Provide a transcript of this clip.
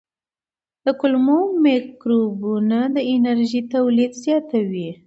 د کولمو مایکروبونه د انرژۍ تولید زیاتوي.